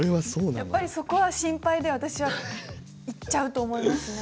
やっぱりそこは心配で私は行っちゃうと思いますね。